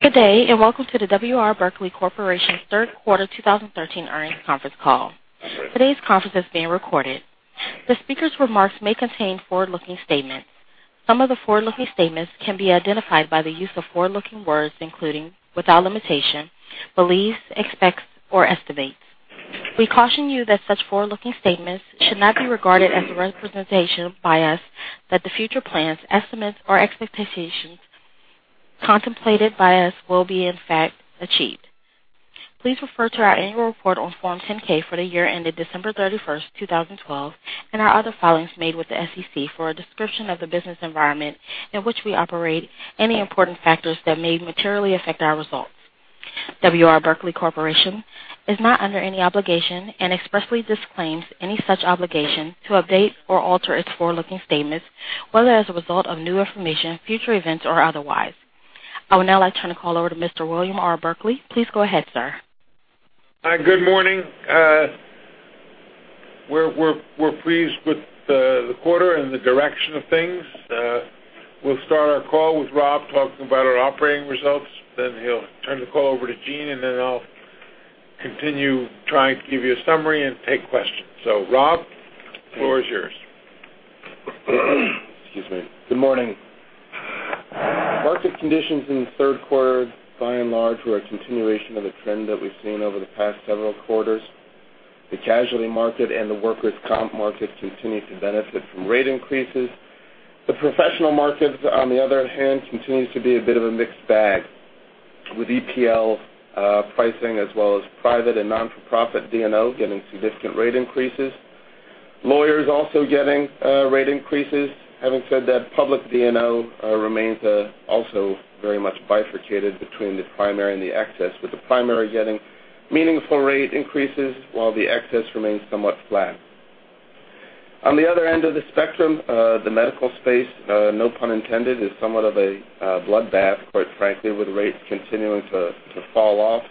Good day. Welcome to the W. R. Berkley Corporation third quarter 2013 earnings conference call. Today's conference is being recorded. The speaker's remarks may contain forward-looking statements. Some of the forward-looking statements can be identified by the use of forward-looking words, including, without limitation, beliefs, expects, or estimates. We caution you that such forward-looking statements should not be regarded as a representation by us that the future plans, estimates, or expectations contemplated by us will be in fact achieved. Please refer to our annual report on Form 10-K for the year ended December 31st, 2012, and our other filings made with the SEC for a description of the business environment in which we operate and the important factors that may materially affect our results. W. R. Berkley Corporation is not under any obligation and expressly disclaims any such obligation to update or alter its forward-looking statements, whether as a result of new information, future events, or otherwise. I would now like turn the call over to Mr. William R. Berkley. Please go ahead, sir. Hi. Good morning. We're pleased with the quarter and the direction of things. We'll start our call with Rob talking about our operating results. He'll turn the call over to Gene, I'll continue trying to give you a summary and take questions. Rob, the floor is yours. Excuse me. Good morning. Market conditions in the third quarter by and large were a continuation of a trend that we've seen over the past several quarters. The casualty market and the workers' comp market continue to benefit from rate increases. The professional markets, on the other hand, continues to be a bit of a mixed bag, with EPL pricing as well as private and not-for-profit D&O getting significant rate increases. Lawyers also getting rate increases. Having said that, public D&O remains also very much bifurcated between the primary and the excess, with the primary getting meaningful rate increases while the excess remains somewhat flat. On the other end of the spectrum, the medical space, no pun intended, is somewhat of a blood bath, quite frankly, with rates continuing to fall off.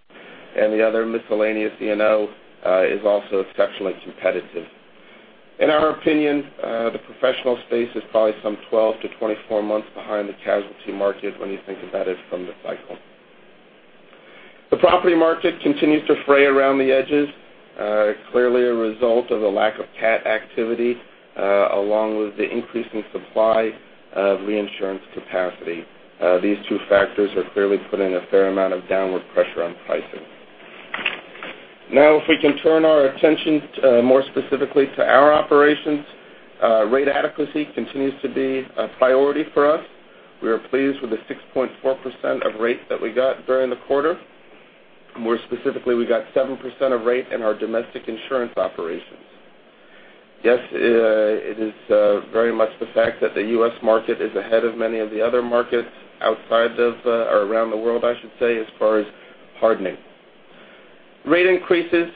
The other miscellaneous D&O is also exceptionally competitive. In our opinion, the professional space is probably some 12 to 24 months behind the casualty market when you think about it from the cycle. The property market continues to fray around the edges, clearly a result of the lack of cat activity, along with the increase in supply of reinsurance capacity. These two factors are clearly putting a fair amount of downward pressure on pricing. Now, if we can turn our attention more specifically to our operations, rate adequacy continues to be a priority for us. We are pleased with the 6.4% of rate that we got during the quarter. More specifically, we got 7% of rate in our domestic insurance operations. Yes, it is very much the fact that the U.S. market is ahead of many of the other markets around the world as far as hardening. Rate increases,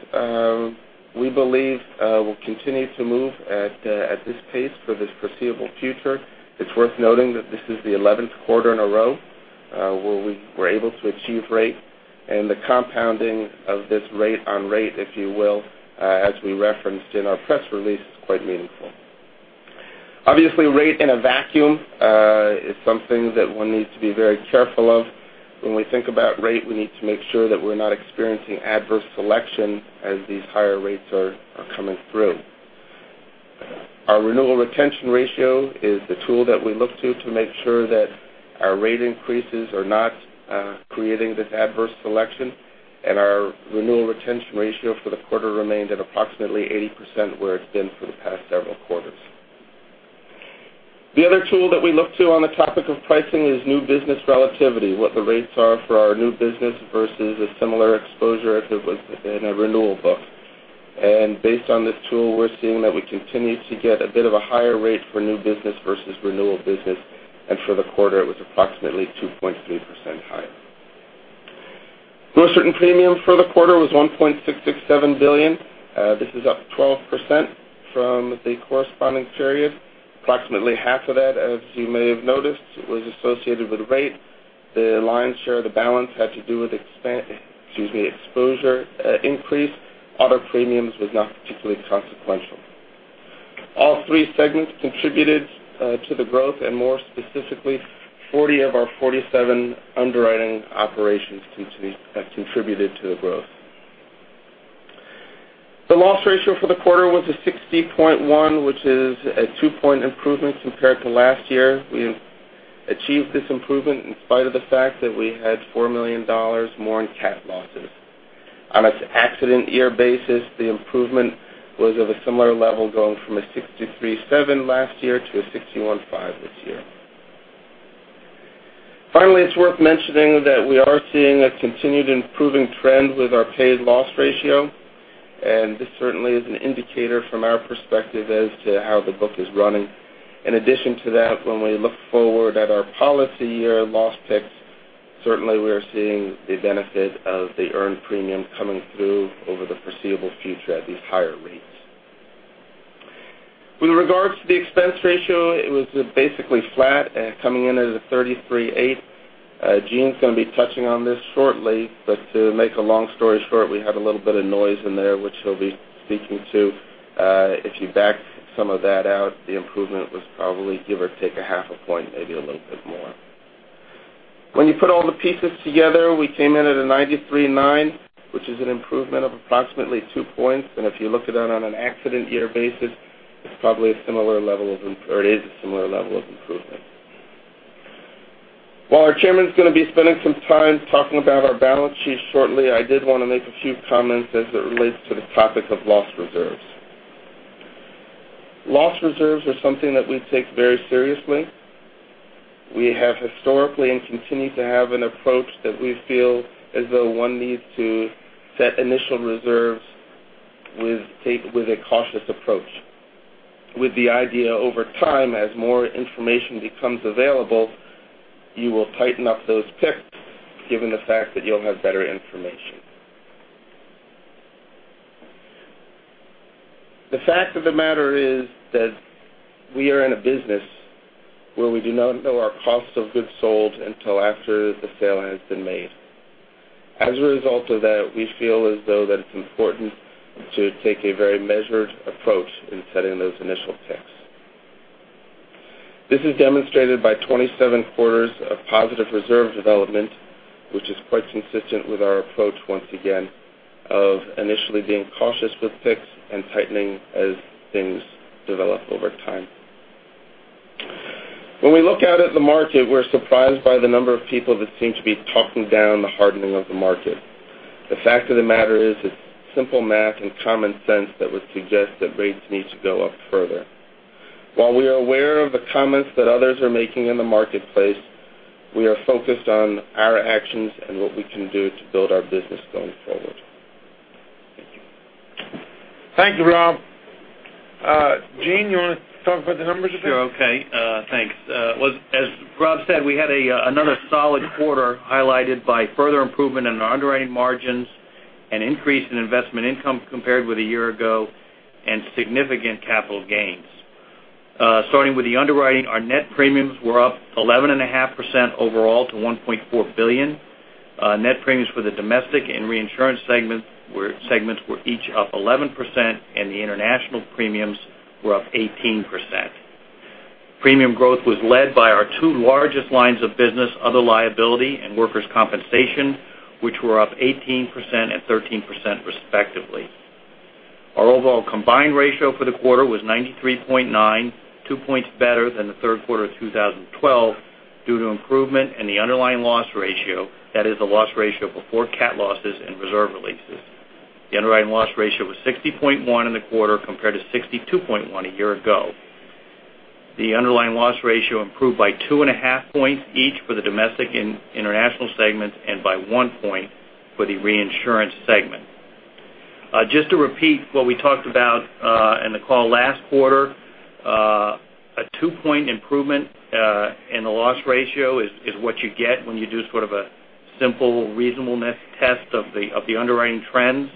we believe, will continue to move at this pace for this foreseeable future. It's worth noting that this is the 11th quarter in a row where we were able to achieve rate. The compounding of this rate on rate, if you will, as we referenced in our press release, is quite meaningful. Obviously, rate in a vacuum is something that one needs to be very careful of. When we think about rate, we need to make sure that we're not experiencing adverse selection as these higher rates are coming through. Our renewal retention ratio is the tool that we look to to make sure that our rate increases are not creating this adverse selection. Our renewal retention ratio for the quarter remained at approximately 80%, where it's been for the past several quarters. The other tool that we look to on the topic of pricing is new business relativity, what the rates are for our new business versus a similar exposure if it was in a renewal book. Based on this tool, we're seeing that we continue to get a bit of a higher rate for new business versus renewal business. For the quarter, it was approximately 2.3% higher. Gross written premium for the quarter was $1.667 billion. This is up 12% from the corresponding period. Approximately half of that, as you may have noticed, was associated with rate. The lion's share of the balance had to do with exposure increase. Other premiums was not particularly consequential. All three segments contributed to the growth, and more specifically, 40 of our 47 underwriting operations contributed to the growth. The loss ratio for the quarter was a 60.1, which is a two-point improvement compared to last year. We achieved this improvement in spite of the fact that we had $4 million more in cat losses. On an accident year basis, the improvement was of a similar level, going from a 63.7 last year to a 61.5 this year. Finally, it's worth mentioning that we are seeing a continued improving trend with our paid loss ratio, this certainly is an indicator from our perspective as to how the book is running. In addition to that, when we look forward at our policy year loss picks, certainly we are seeing the benefit of the earned premium coming through over the foreseeable future at these higher rates. With regards to the expense ratio, it was basically flat, coming in at a 33.8. Gene's going to be touching on this shortly, but to make a long story short, we had a little bit of noise in there, which he'll be speaking to. If you back some of that out, the improvement was probably, give or take, a half a point, maybe a little bit more. When you put all the pieces together, we came in at a 939, which is an improvement of approximately two points. If you looked at that on an accident year basis, it's probably a similar level of, or it is a similar level of improvement. While our chairman's going to be spending some time talking about our balance sheet shortly, I did want to make a few comments as it relates to the topic of loss reserves. Loss reserves are something that we take very seriously. We have historically and continue to have an approach that we feel as though one needs to set initial reserves with a cautious approach, with the idea over time, as more information becomes available, you will tighten up those ticks given the fact that you'll have better information. The fact of the matter is that we are in a business where we do not know our cost of goods sold until after the sale has been made. As a result of that, we feel as though that it's important to take a very measured approach in setting those initial ticks. This is demonstrated by 27 quarters of positive reserve development, which is quite consistent with our approach, once again, of initially being cautious with ticks and tightening as things develop over time. When we look out at the market, we're surprised by the number of people that seem to be talking down the hardening of the market. The fact of the matter is it's simple math and common sense that would suggest that rates need to go up further. While we are aware of the comments that others are making in the marketplace, we are focused on our actions and what we can do to build our business going forward. Thank you. Thank you, Rob. Gene, you want to talk about the numbers a bit? Sure. Okay. Thanks. As Rob said, we had another solid quarter highlighted by further improvement in our underwriting margins, an increase in investment income compared with a year ago, and significant capital gains. Starting with the underwriting, our net premiums were up 11.5% overall to $1.4 billion. Net premiums for the domestic and reinsurance segments were each up 11%. The international premiums were up 18%. Premium growth was led by our two largest lines of business, other liability and workers' compensation, which were up 18% and 13%, respectively. Our overall combined ratio for the quarter was 93.9, two points better than the third quarter of 2012 due to improvement in the underlying loss ratio, that is the loss ratio before cat losses and reserve releases. The underwriting loss ratio was 60.1 in the quarter compared to 62.1 a year ago. The underlying loss ratio improved by two and a half points each for the domestic and international segments and by one point for the reinsurance segment. Just to repeat what we talked about in the call last quarter, a two-point improvement in the loss ratio is what you get when you do sort of a simple reasonableness test of the underwriting trends.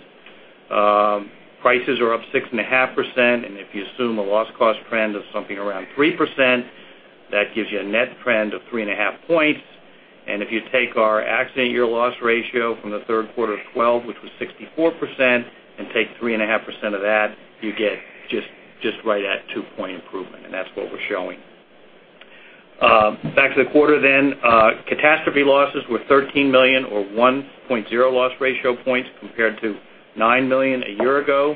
Prices are up 6.5%. If you assume a loss cost trend of something around 3%, that gives you a net trend of three and a half points. If you take our accident year loss ratio from the third quarter of 2012, which was 64%, and take 3.5% of that, you get just right at two-point improvement. That's what we're showing. Back to the quarter. Catastrophe losses were $13 million or 1.0 loss ratio points compared to $9 million a year ago.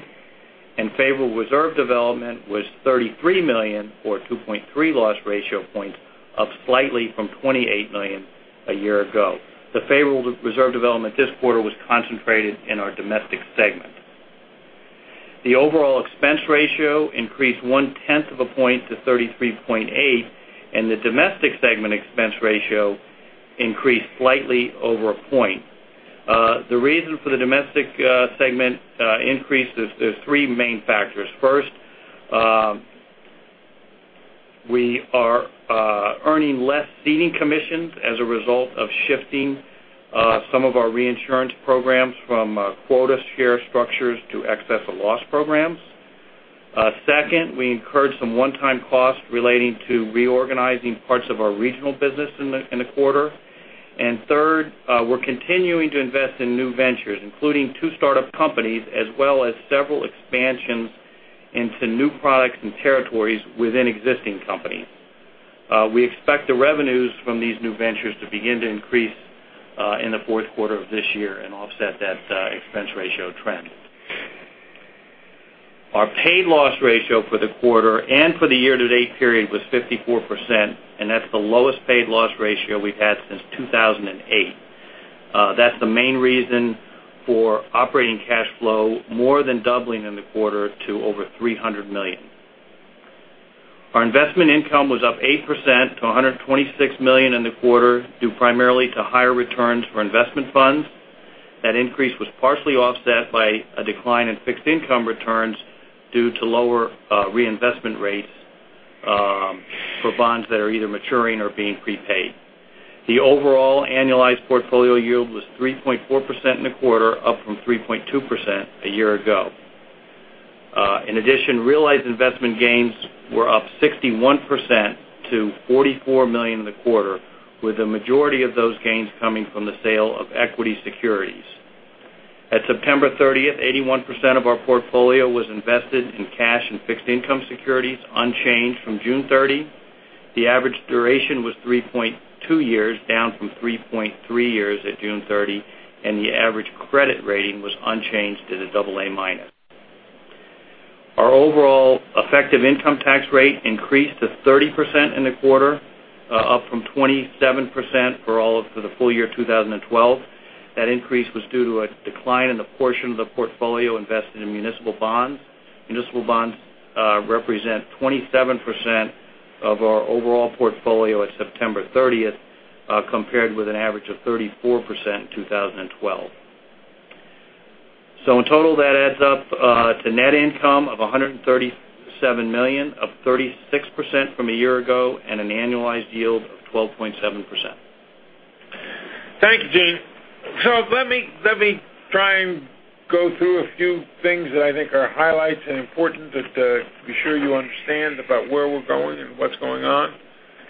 Favorable reserve development was $33 million or 2.3 loss ratio points, up slightly from $28 million a year ago. The favorable reserve development this quarter was concentrated in our domestic segment. The overall expense ratio increased one tenth of a point to 33.8, and the domestic segment expense ratio increased slightly over a point. The reason for the domestic segment increase is there are three main factors. First, we are earning less ceding commissions as a result of shifting some of our reinsurance programs from quota share structures to excess of loss programs. Second, we incurred some one-time costs relating to reorganizing parts of our regional business in the quarter. Third, we're continuing to invest in new ventures, including two startup companies, as well as several expansions into new products and territories within existing companies. We expect the revenues from these new ventures to begin to increase in the fourth quarter of this year and offset that expense ratio trend. Our paid loss ratio for the quarter and for the year-to-date period was 54%, and that's the lowest paid loss ratio we've had since 2008. That's the main reason for operating cash flow more than doubling in the quarter to over $300 million. Our investment income was up 8% to $126 million in the quarter, due primarily to higher returns for investment funds. That increase was partially offset by a decline in fixed income returns due to lower reinvestment rates for bonds that are either maturing or being prepaid. The overall annualized portfolio yield was 3.4% in the quarter, up from 3.2% a year ago. In addition, realized investment gains were up 61% to $44 million in the quarter, with a majority of those gains coming from the sale of equity securities. At September 30th, 81% of our portfolio was invested in cash and fixed income securities, unchanged from June 30. The average duration was 3.2 years, down from 3.3 years at June 30, and the average credit rating was unchanged at a double A minus. Our overall effective income tax rate increased to 30% in the quarter, up from 27% for the full year 2012. That increase was due to a decline in the portion of the portfolio invested in municipal bonds. Municipal bonds represent 27% of our overall portfolio at September 30th, compared with an average of 34% in 2012. In total, that adds up to net income of $137 million, up 36% from a year ago, and an annualized yield of 12.7%. Thank you, Gene. Let me try and go through a few things that I think are highlights and important to be sure you understand about where we're going and what's going on,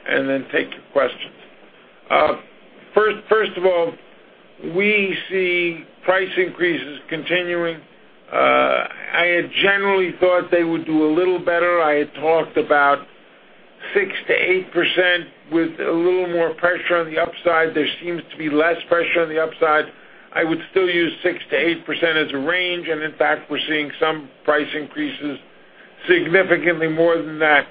and then take the questions. First of all, we see price increases continuing. I had generally thought they would do a little better. I had talked about 6%-8% with a little more pressure on the upside. There seems to be less pressure on the upside. I would still use 6%-8% as a range, and in fact, we're seeing some price increases significantly more than that.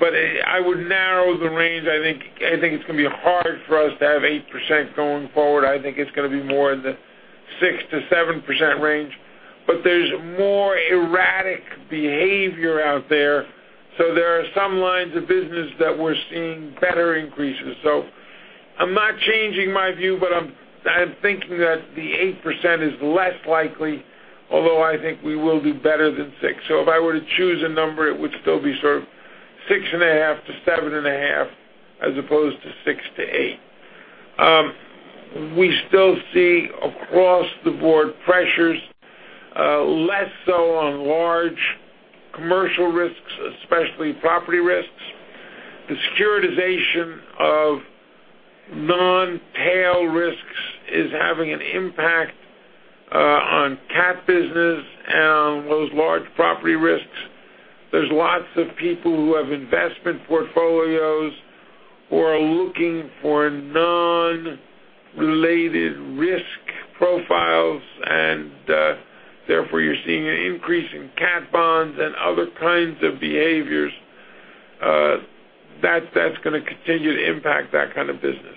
But I would narrow the range. I think it's going to be hard for us to have 8% going forward. I think it's going to be more in the 6%-7% range. There's more erratic behavior out there, so there are some lines of business that we're seeing better increases. I'm not changing my view, but I'm thinking that the 8% is less likely, although I think we will do better than 6. If I were to choose a number, it would still be 6.5%-7.5% as opposed to 6%-8%. We still see across the board pressures, less so on large commercial risks, especially property risks. The securitization of non-tail risks is having an impact on cat business and those large property risks. There's lots of people who have investment portfolios who are looking for non-related risk profiles, and therefore you're seeing an increase in cat bonds and other kinds of behaviors. That's going to continue to impact that kind of business.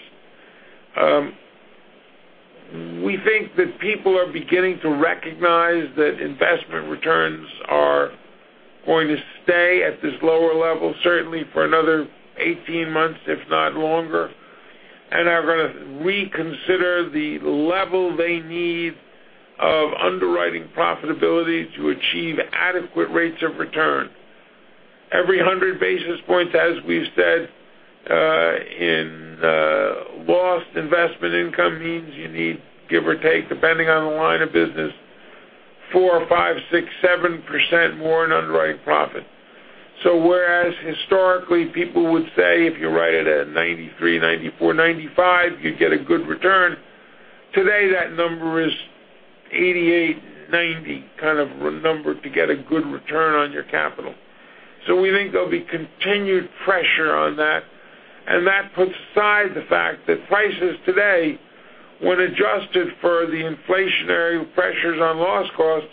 We think that people are beginning to recognize that investment returns are going to stay at this lower level, certainly for another 18 months, if not longer, and are going to reconsider the level they need of underwriting profitability to achieve adequate rates of return. Every 100 basis points, as we've said, in lost investment income means you need, give or take, depending on the line of business, 4%, 5%, 6%, 7% more in underwriting profit. Whereas historically people would say, if you write it at 93%, 94%, 95%, you get a good return, today that number is 88%, 90% kind of number to get a good return on your capital. We think there'll be continued pressure on that, and that puts aside the fact that prices today, when adjusted for the inflationary pressures on loss costs,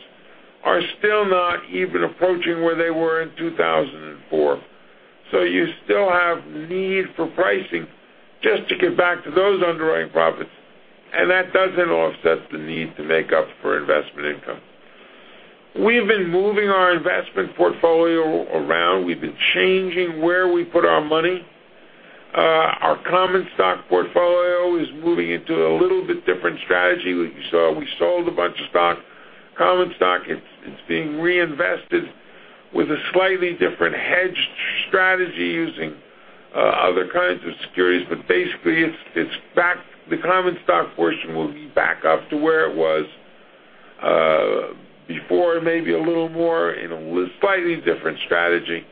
are still not even approaching where they were in 2004. You still have need for pricing just to get back to those underwriting profits, and that doesn't offset the need to make up for investment income. We've been moving our investment portfolio around. We've been changing where we put our money. Our common stock portfolio is moving into a little bit different strategy. You saw we sold a bunch of common stock. It's being reinvested with a slightly different hedged strategy using other kinds of securities. Basically, the common stock portion will be back up to where it was before, maybe a little more in a slightly different strategy.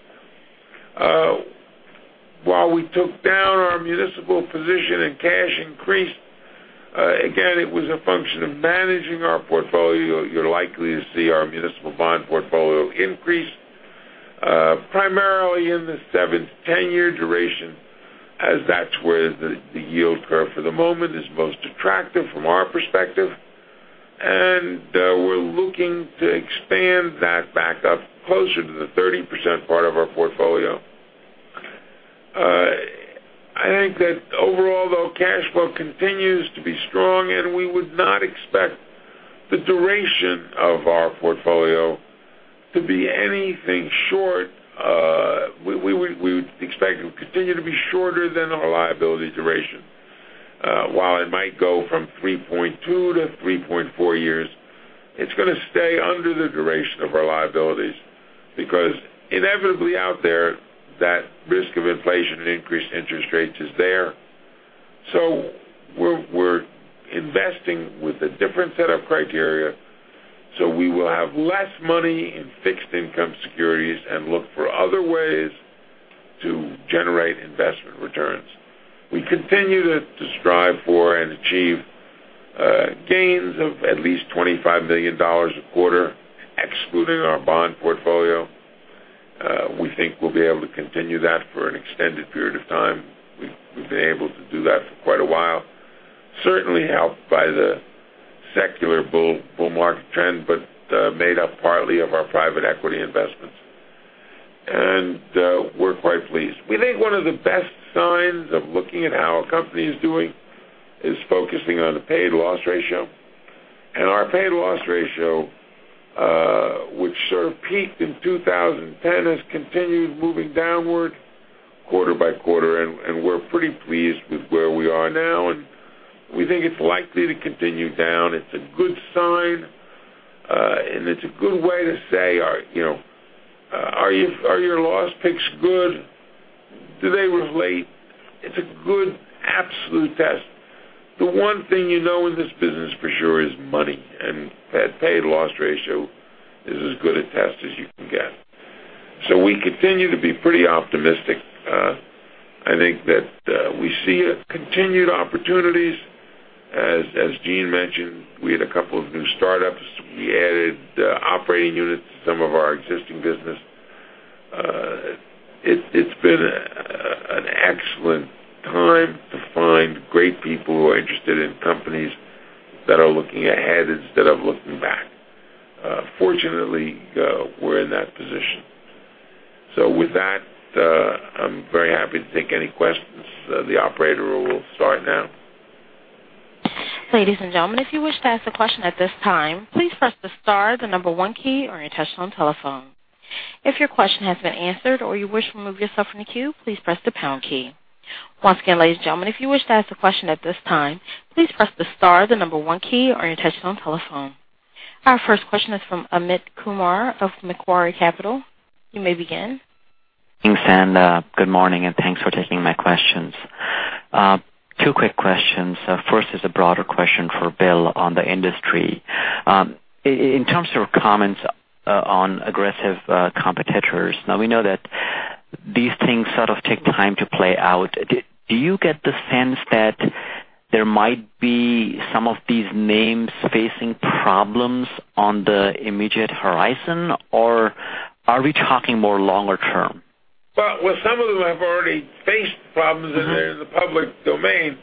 While we took down our municipal position and cash increased, again, it was a function of managing our portfolio. You're likely to see our municipal bond portfolio increase, primarily in the 7-10 year duration, as that's where the yield curve for the moment is most attractive from our perspective. We're looking to expand that back up closer to the 30% part of our portfolio. I think that overall, though, cash flow continues to be strong, and we would not expect the duration of our portfolio to be anything short. We would expect it to continue to be shorter than our liability duration. While it might go from 3.2 to 3.4 years, it's going to stay under the duration of our liabilities, because inevitably out there, that risk of inflation and increased interest rates is there. We're investing with a different set of criteria. We will have less money in fixed income securities and look for other ways to generate investment returns. We continue to strive for and achieve gains of at least $25 million a quarter, excluding our bond portfolio. We think we'll be able to continue that for an extended period of time. We've been able to do that for quite a while, certainly helped by the secular bull market trend, but made up partly of our private equity investments. We're quite pleased. We think one of the best signs of looking at how a company is doing is focusing on the paid loss ratio. Our paid loss ratio, which sort of peaked in 2010, has continued moving downward quarter by quarter, and we're pretty pleased with where we are now, and we think it's likely to continue down. It's a good sign, and it's a good way to say, are your loss picks good? Do they relate? It's a good absolute test. The one thing you know in this business for sure is money. Paid loss ratio is as good a test as you can get. We continue to be pretty optimistic. I think that we see continued opportunities. As Gene mentioned, we had a couple of new startups. We added operating units to some of our existing business. It's been an excellent time to find great people who are interested in companies that are looking ahead instead of looking back. Fortunately, we're in that position. With that, I'm very happy to take any questions. The operator will start now. Ladies and gentlemen, if you wish to ask a question at this time, please press the star, the number one key on your touchtone telephone. If your question has been answered or you wish to remove yourself from the queue, please press the pound key. Once again, ladies and gentlemen, if you wish to ask a question at this time, please press the star, the number one key on your touchtone telephone. Our first question is from Amit Kumar of Macquarie Capital. You may begin. Thanks, good morning, and thanks for taking my questions. Two quick questions. First is a broader question for Bill on the industry. In terms of your comments on aggressive competitors, now we know that these things sort of take time to play out. Do you get the sense that there might be some of these names facing problems on the immediate horizon? Are we talking more longer term? Well, some of them have already faced problems, and they're in the public domain,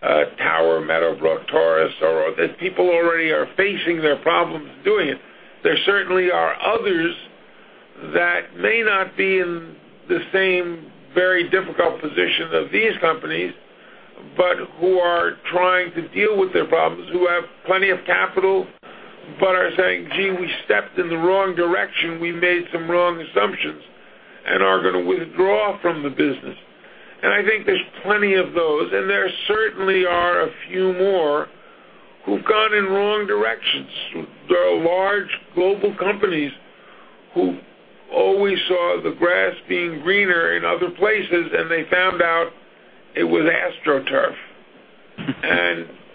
Tower, Meadowbrook, Torus. People already are facing their problems doing it. There certainly are others that may not be in the same very difficult position of these companies, but who are trying to deal with their problems, who have plenty of capital, but are saying, "Gee, we stepped in the wrong direction. We made some wrong assumptions," and are going to withdraw from the business. I think there's plenty of those, and there certainly are a few more who've gone in wrong directions. There are large global companies who always saw the grass being greener in other places, and they found out it was AstroTurf.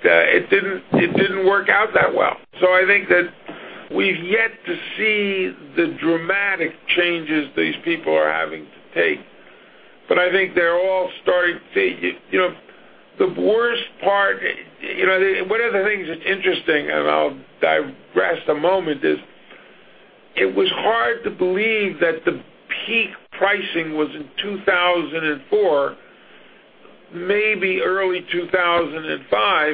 It didn't work out that well. I think that we've yet to see the dramatic changes these people are having to take. I think they're all starting to see. One of the things that's interesting, and I'll digress a moment, is it was hard to believe that the peak pricing was in 2004, maybe early 2005,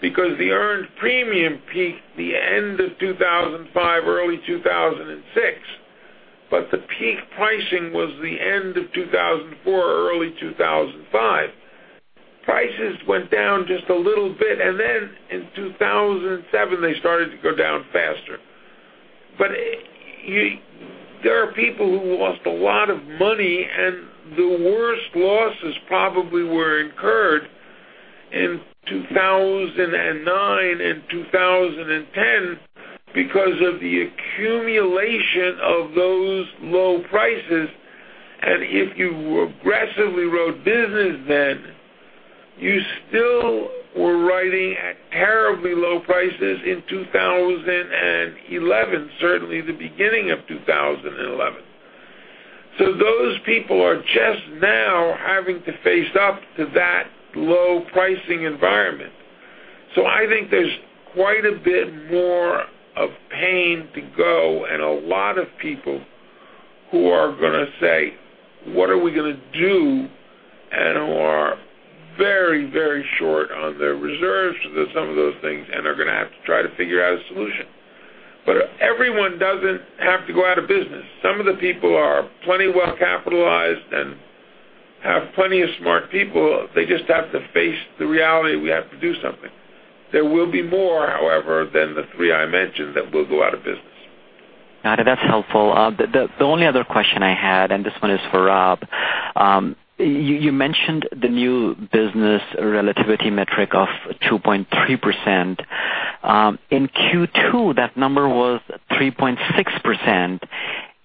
because the earned premium peaked the end of 2005, early 2006. The peak pricing was the end of 2004, early 2005. Prices went down just a little bit, and then in 2007, they started to go down faster. There are people who lost a lot of money, and the worst losses probably were incurred in 2009 and 2010 because of the accumulation of those low prices, and if you aggressively wrote business then, you still were writing at terribly low prices in 2011, certainly the beginning of 2011. Those people are just now having to face up to that low pricing environment. I think there's quite a bit more of pain to go and a lot of people who are going to say, "What are we going to do?" and who are very short on their reserves for some of those things, and are going to have to try to figure out a solution. Everyone doesn't have to go out of business. Some of the people are plenty well capitalized and have plenty of smart people. They just have to face the reality, we have to do something. There will be more, however, than the three I mentioned that will go out of business. Got it. That's helpful. The only other question I had, and this one is for Rob. You mentioned the new business relativity metric of 2.3%. In Q2, that number was 3.6%,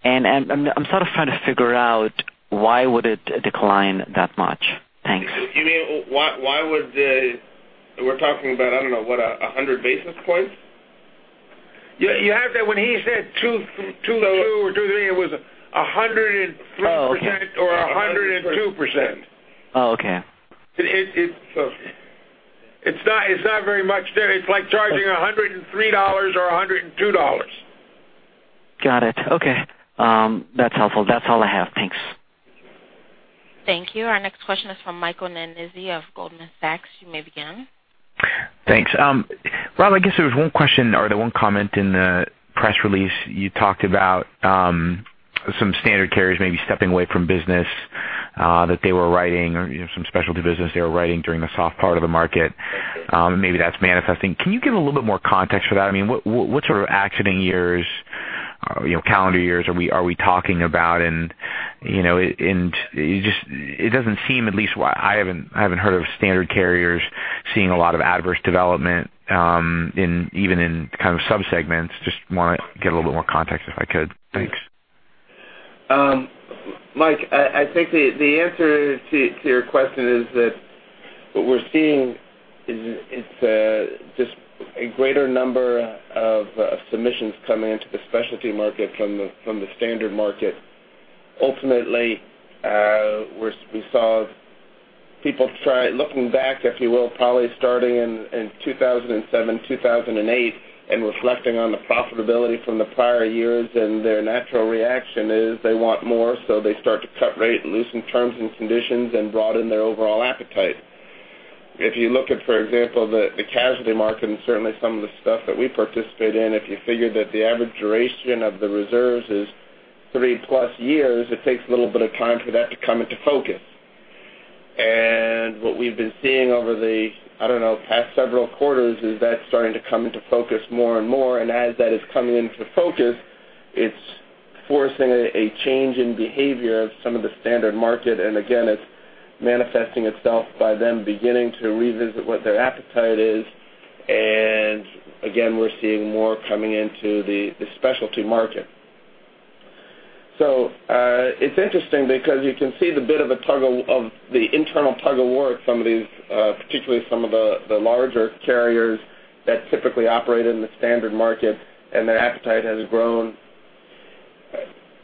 and I'm trying to figure out why would it decline that much? Thanks. You mean, we're talking about, I don't know, what, 100 basis points? You have that. When he said two, or 23, it was 103%. Oh, okay. Or 102%. Oh, okay. It's not very much there. It's like charging $103 or $102. Got it. Okay. That's helpful. That's all I have. Thanks. Thank you. Our next question is from Michael Nannizzi of Goldman Sachs. You may begin. Thanks. Rob, I guess there was one question or the one comment in the press release you talked about some standard carriers maybe stepping away from business that they were writing or some specialty business they were writing during the soft part of the market. Maybe that's manifesting. Can you give a little bit more context for that? What sort of accident years, calendar years are we talking about? It doesn't seem, at least I haven't heard of standard carriers seeing a lot of adverse development, even in subsegments. Just want to get a little bit more context if I could. Thanks. Mike, I think the answer to your question is that what we're seeing is just a greater number of submissions coming into the specialty market from the standard market. Ultimately, we saw people try, looking back, if you will, probably starting in 2007, 2008, reflecting on the profitability from the prior years. Their natural reaction is they want more, so they start to cut rate and loosen terms and conditions and broaden their overall appetite. If you look at, for example, the casualty market and certainly some of the stuff that we participate in. If you figure that the average duration of the reserves is three-plus years, it takes a little bit of time for that to come into focus. What we've been seeing over the, I don't know, past several quarters is that's starting to come into focus more and more. As that is coming into focus, it's forcing a change in behavior of some of the standard market. Again, it's manifesting itself by them beginning to revisit what their appetite is. Again, we're seeing more coming into the specialty market. It's interesting because you can see the bit of the internal tug of war at some of these, particularly some of the larger carriers that typically operate in the standard market, and their appetite has grown.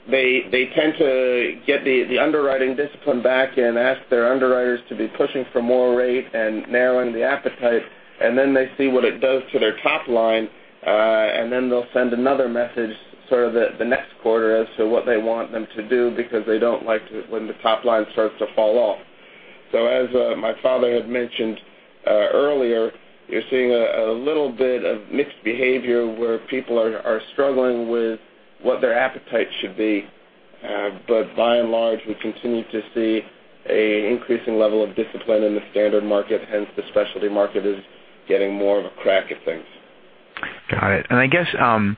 They tend to get the underwriting discipline back and ask their underwriters to be pushing for more rate and narrowing the appetite. Then they see what it does to their top line, and then they'll send another message sort of the next quarter as to what they want them to do because they don't like when the top line starts to fall off. As my father had mentioned earlier, you're seeing a little bit of mixed behavior where people are struggling with what their appetite should be. By and large, we continue to see an increasing level of discipline in the standard market. Hence, the specialty market is getting more of a crack at things. Got it. I guess, and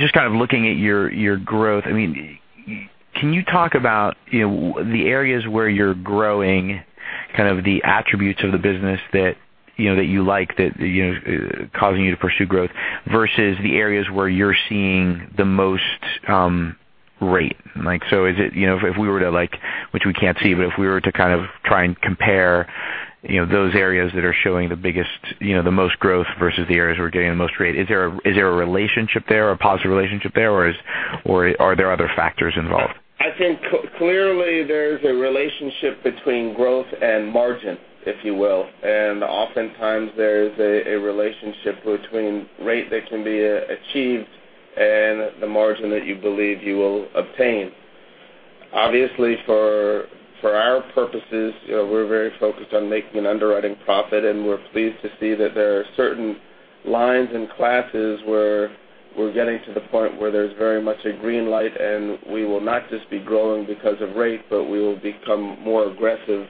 just kind of looking at your growth, can you talk about the areas where you're growing, kind of the attributes of the business that you like, that is causing you to pursue growth, versus the areas where you're seeing the most rate? Which we can't see, but if we were to kind of try and compare those areas that are showing the most growth versus the areas we're getting the most rate. Is there a relationship there, a positive relationship there, or are there other factors involved? I think clearly there's a relationship between growth and margin, if you will. Oftentimes, there's a relationship between rate that can be achieved and the margin that you believe you will obtain. Obviously, for our purposes, we're very focused on making an underwriting profit, and we're pleased to see that there are certain lines and classes where we're getting to the point where there's very much a green light, and we will not just be growing because of rate, but we will become more aggressive,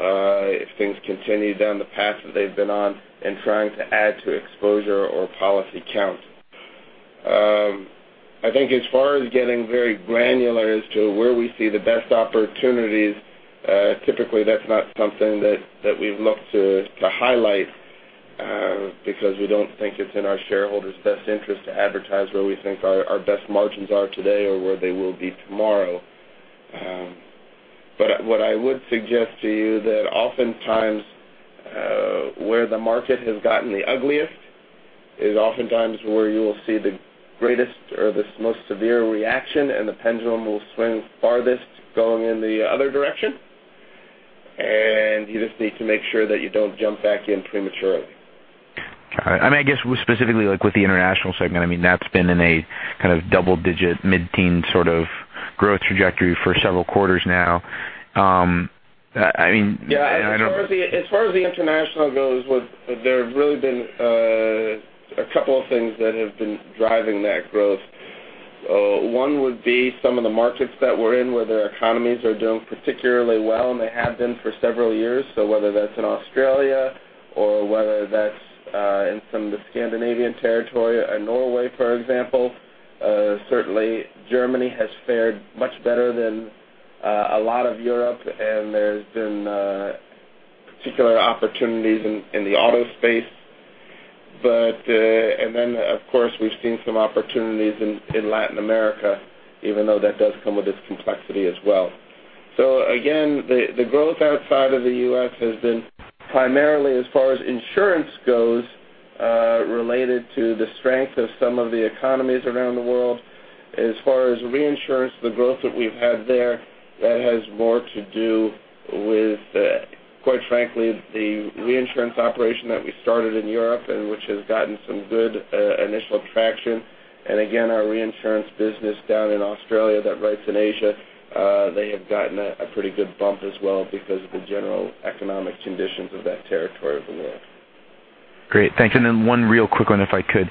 if things continue down the path that they've been on in trying to add to exposure or policy count. I think as far as getting very granular as to where we see the best opportunities, typically that's not something that we've looked to highlight, because we don't think it's in our shareholders' best interest to advertise where we think our best margins are today or where they will be tomorrow. What I would suggest to you that oftentimes, where the market has gotten the ugliest is oftentimes where you will see the greatest or the most severe reaction, and the pendulum will swing farthest going in the other direction. You just need to make sure that you don't jump back in prematurely. Got it. I guess specifically with the international segment, that's been in a kind of double-digit, mid-teen sort of growth trajectory for several quarters now. Yeah. As far as the international goes, there have really been a couple of things that have been driving that growth. One would be some of the markets that we're in where their economies are doing particularly well, and they have been for several years. Whether that's in Australia or whether that's in some of the Scandinavian territory, Norway, for example. Certainly, Germany has fared much better than A lot of Europe, there's been particular opportunities in the auto space. Then, of course, we've seen some opportunities in Latin America, even though that does come with its complexity as well. Again, the growth outside of the U.S. has been primarily as far as insurance goes, related to the strength of some of the economies around the world. As far as reinsurance, the growth that we've had there, that has more to do with, quite frankly, the reinsurance operation that we started in Europe and which has gotten some good initial traction. Again, our reinsurance business down in Australia that writes in Asia, they have gotten a pretty good bump as well because of the general economic conditions of that territory of the world. Great. Thanks. One real quick one, if I could.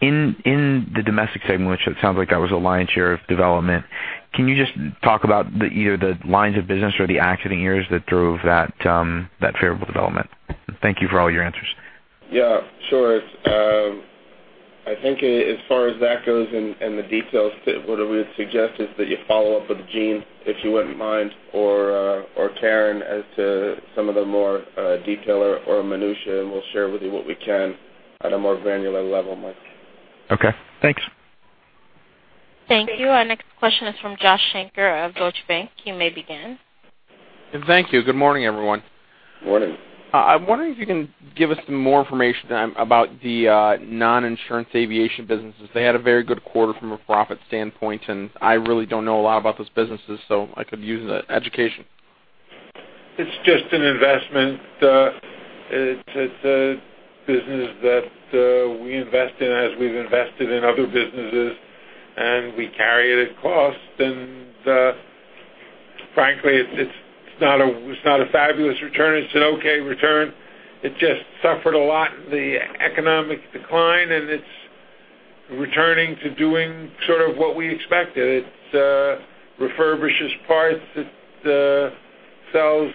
In the domestic segment, which it sounds like that was a lion's share of development, can you just talk about either the lines of business or the accident years that drove that favorable development? Thank you for all your answers. Yeah, sure. I think as far as that goes and the details, what I would suggest is that you follow up with Gene, if you wouldn't mind, or Karen as to some of the more detail or minutiae, and we'll share with you what we can on a more granular level, Mike. Okay, thanks. Thank you. Our next question is from Joshua Shanker of Deutsche Bank. You may begin. Thank you. Good morning, everyone. Morning. I'm wondering if you can give us some more information about the non-insurance aviation businesses. They had a very good quarter from a profit standpoint, and I really don't know a lot about those businesses, so I could use the education. It's just an investment. It's a business that we invest in as we've invested in other businesses, and we carry it at cost. Frankly, it's not a fabulous return. It's an okay return. It just suffered a lot in the economic decline, and it's returning to doing sort of what we expected. It refurbishes parts. It sells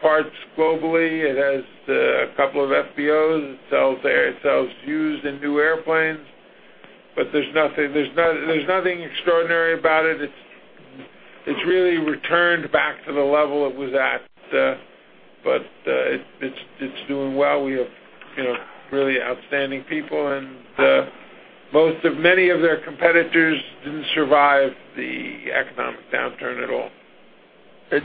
parts globally. It has a couple of FBOs. It sells used and new airplanes. There's nothing extraordinary about it. It's really returned back to the level it was at. It's doing well. We have really outstanding people, and many of their competitors didn't survive the economic downturn at all.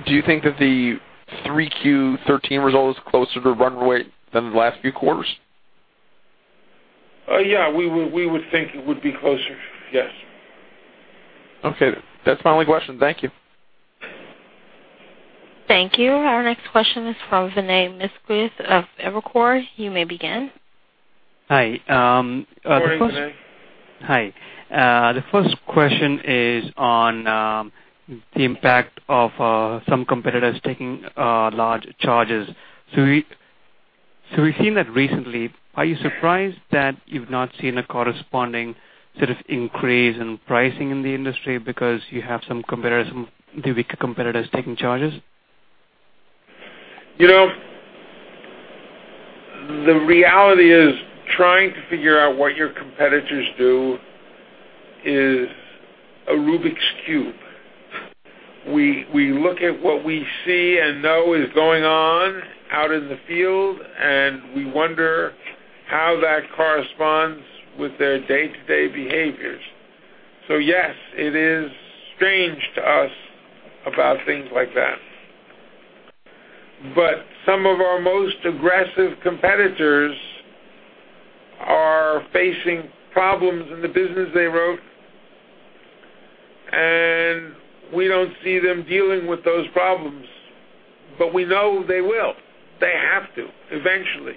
Do you think that the Q3 2013 result is closer to run rate than the last few quarters? Yeah, we would think it would be closer. Yes. Okay. That's my only question. Thank you. Thank you. Our next question is from Vinay Misquith of Evercore. You may begin. Hi. Good morning, Vinay. Hi. The first question is on the impact of some competitors taking large charges. We've seen that recently. Are you surprised that you've not seen a corresponding sort of increase in pricing in the industry because you have some weaker competitors taking charges? The reality is, trying to figure out what your competitors do is a Rubik's Cube. We look at what we see and know is going on out in the field, we wonder how that corresponds with their day-to-day behaviors. Yes, it is strange to us about things like that. Some of our most aggressive competitors are facing problems in the business they wrote, we don't see them dealing with those problems. We know they will. They have to, eventually.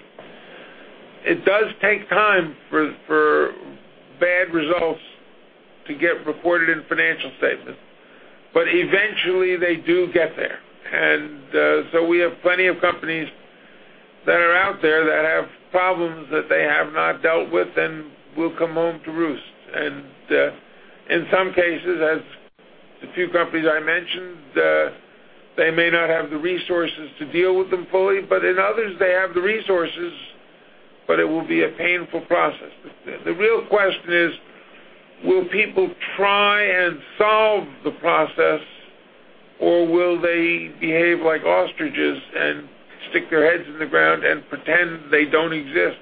It does take time for bad results to get reported in financial statements. Eventually, they do get there. We have plenty of companies that are out there that have problems that they have not dealt with and will come home to roost. In some cases, as the few companies I mentioned, they may not have the resources to deal with them fully, in others, they have the resources, it will be a painful process. The real question is, will people try and solve the process, or will they behave like ostriches and stick their heads in the ground and pretend they don't exist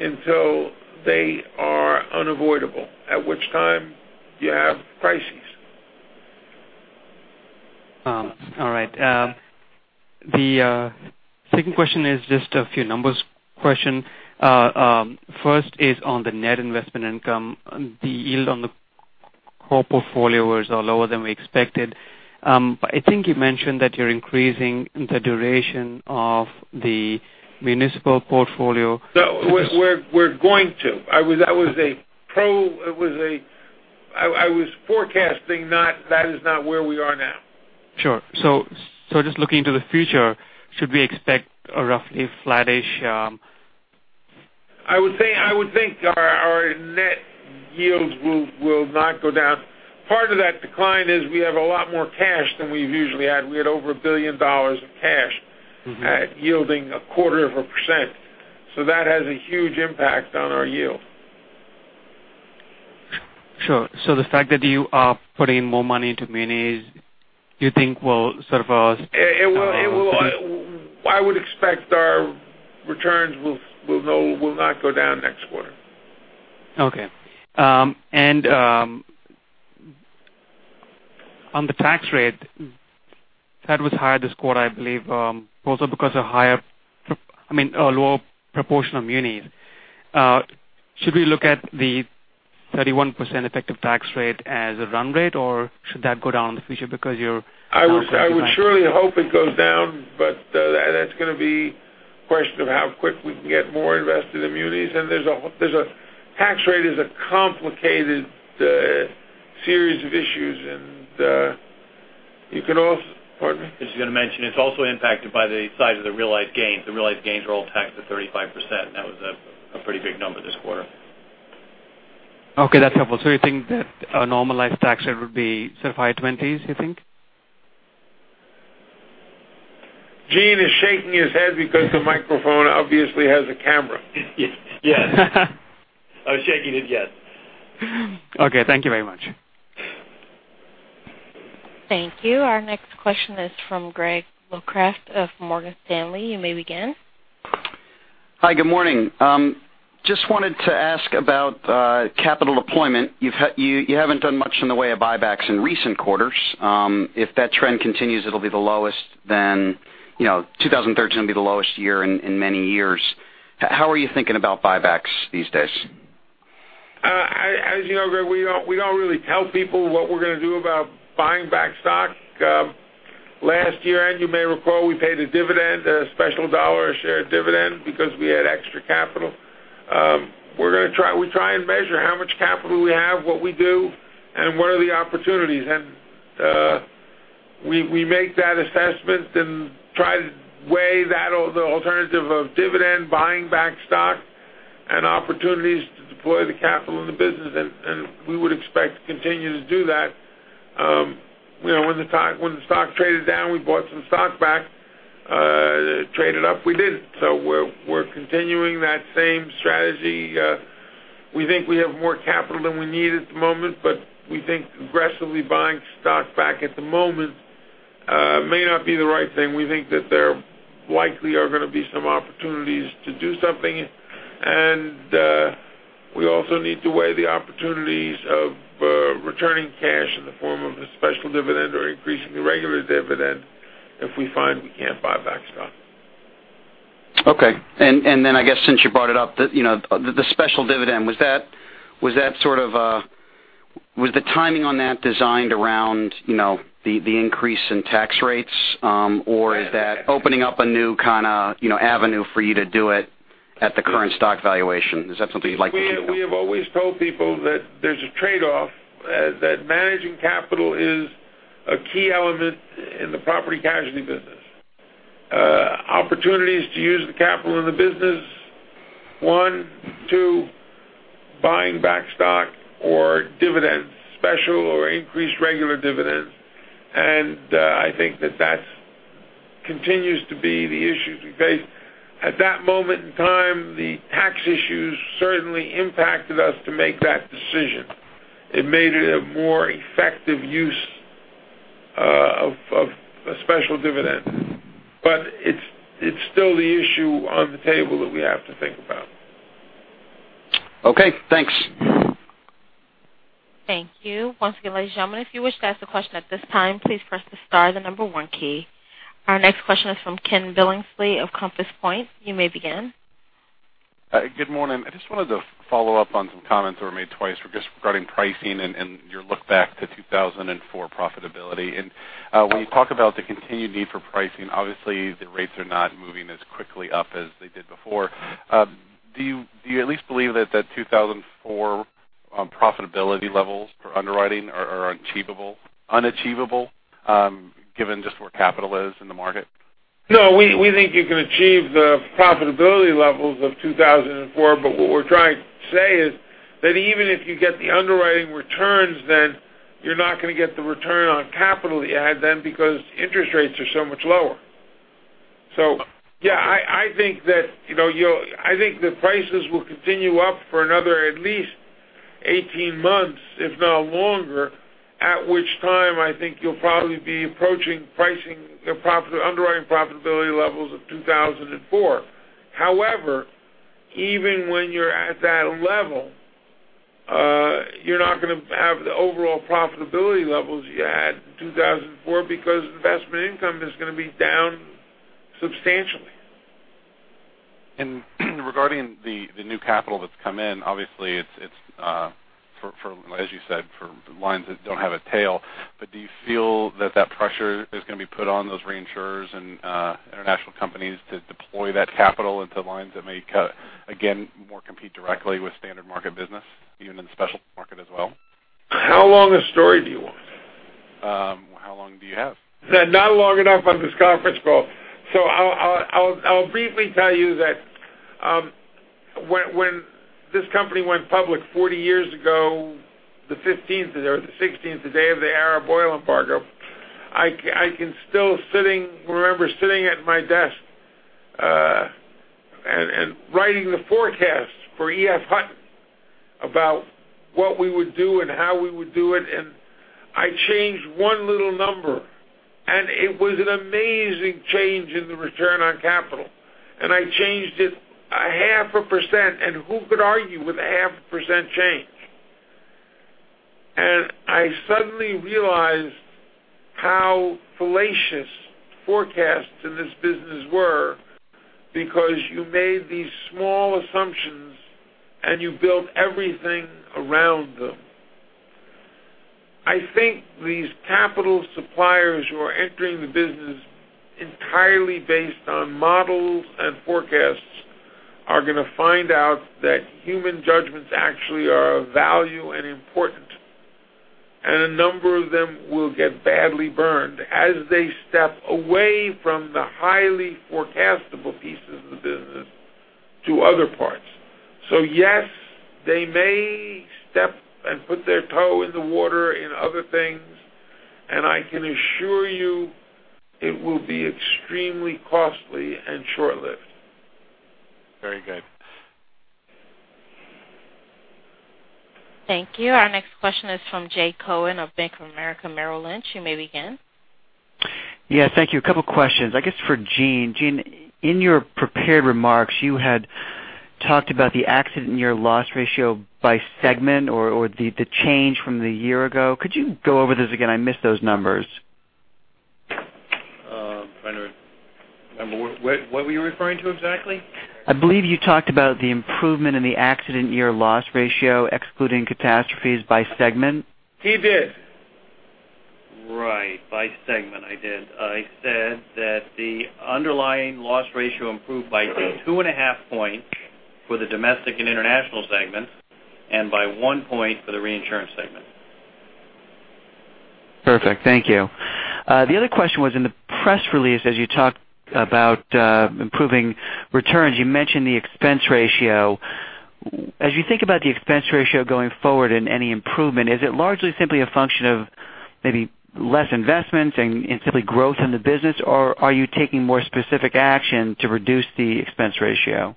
until they are unavoidable? At which time you have crises. All right. The second question is just a few numbers question. First is on the net investment income. The yield on the core portfolio was a lot lower than we expected. I think you mentioned that you're increasing the duration of the municipal portfolio. No, we're going to. I was forecasting, not that is not where we are now. Sure. Just looking to the future, should we expect a roughly flattish- I would think our net yields will not go down. Part of that decline is we have a lot more cash than we've usually had. We had over $1 billion of cash yielding 0.25%. That has a huge impact on our yield Sure. The fact that you are putting more money into munis, you think will serve us? I would expect our returns will not go down next quarter. Okay. On the tax rate, that was higher this quarter, I believe also because of higher, I mean, a lower proportion of munis. Should we look at the 31% effective tax rate as a run rate, or should that go down in the future because you're I would surely hope it goes down, but that's going to be a question of how quick we can get more invested in munis. Tax rate is a complicated series of issues and you could also Pardon me? I was just going to mention, it's also impacted by the size of the realized gains. The realized gains are all taxed at 35%. That was a pretty big number this quarter. Okay, that's helpful. You think that a normalized tax rate would be sort of high twenties, you think? Gene is shaking his head because the microphone obviously has a camera. Yes. I was shaking it yes. Okay. Thank you very much. Thank you. Our next question is from Gregory Locraft of Morgan Stanley. You may begin. Hi, good morning. Just wanted to ask about capital deployment. You haven't done much in the way of buybacks in recent quarters. If that trend continues, it'll be the lowest, then 2013 will be the lowest year in many years. How are you thinking about buybacks these days? As you know, Greg, we don't really tell people what we're going to do about buying back stock. Last year, as you may recall, we paid a dividend, a special $1 a share dividend because we had extra capital. We try and measure how much capital we have, what we do, and what are the opportunities. We make that assessment and try to weigh that, the alternative of dividend, buying back stock, and opportunities to deploy the capital in the business, and we would expect to continue to do that. When the stock traded down, we bought some stock back. It traded up, we didn't. We're continuing that same strategy. We think we have more capital than we need at the moment, but we think aggressively buying stock back at the moment may not be the right thing. We think that there likely are going to be some opportunities to do something. We also need to weigh the opportunities of returning cash in the form of a special dividend or increasing the regular dividend if we find we can't buy back stock. Okay. I guess since you brought it up, the special dividend, was the timing on that designed around the increase in tax rates? Is that opening up a new kind of avenue for you to do it at the current stock valuation? Is that something you'd like to see now? We have always told people that there's a trade-off, that managing capital is a key element in the property casualty business. Opportunities to use the capital in the business, one. Two, buying back stock or dividends, special or increased regular dividends. I think that continues to be the issues we face. At that moment in time, the tax issues certainly impacted us to make that decision. It made it a more effective use of a special dividend. It's still the issue on the table that we have to think about. Okay, thanks. Thank you. Once again, ladies and gentlemen, if you wish to ask a question at this time, please press the star, the number one key. Our next question is from Ken Billingsley of Compass Point. You may begin. Good morning. I just wanted to follow up on some comments that were made twice regarding pricing and your look back to 2004 profitability. When you talk about the continued need for pricing, obviously the rates are not moving as quickly up as they did before. Do you at least believe that that 2004 profitability levels for underwriting are unachievable given just where capital is in the market? No, we think you can achieve the profitability levels of 2004, what we're trying to say is that even if you get the underwriting returns, you're not going to get the return on capital you had then because interest rates are so much lower. Yeah, I think that prices will continue up for another at least 18 months, if not longer, at which time I think you'll probably be approaching underwriting profitability levels of 2004. However, even when you're at that level, you're not going to have the overall profitability levels you had in 2004 because investment income is going to be down substantially. Regarding the new capital that's come in, obviously it's, as you said, for lines that don't have a tail, do you feel that that pressure is going to be put on those reinsurers and international companies to deploy that capital into lines that may again, more compete directly with standard market business, even in the special market as well? How long a story do you want? How long do you have? Not long enough on this conference call. I'll briefly tell you that when this company went public 40 years ago, the 15th or the 16th day of the Arab oil embargo, I can still remember sitting at my desk writing the forecast for E.F. Hutton about what we would do and how we would do it, and I changed one little number, and it was an amazing change in the return on capital. I changed it a half a percent, and who could argue with a half a percent change? I suddenly realized how fallacious forecasts in this business were, because you made these small assumptions, and you built everything around them. I think these capital suppliers who are entering the business entirely based on models and forecasts are going to find out that human judgments actually are of value and important. A number of them will get badly burned as they step away from the highly forecastable pieces of the business to other parts. Yes, they may step and put their toe in the water in other things, and I can assure you it will be extremely costly and short-lived. Very good. Thank you. Our next question is from Jay Cohen of Bank of America Merrill Lynch. You may begin. Yeah, thank you. A couple questions, I guess, for Gene. Gene, in your prepared remarks, you had talked about the accident year loss ratio by segment or the change from the year ago. Could you go over this again? I missed those numbers. Trying to remember. What were you referring to exactly? I believe you talked about the improvement in the accident year loss ratio, excluding catastrophes by segment. He did. Right. By segment, I did. I said that the underlying loss ratio improved by 2.5 points for the domestic and international segments, and by one point for the reinsurance segment. Perfect. Thank you. The other question was in the press release, as you talked about improving returns, you mentioned the expense ratio. As you think about the expense ratio going forward and any improvement, is it largely simply a function of maybe less investment and simply growth in the business, or are you taking more specific action to reduce the expense ratio?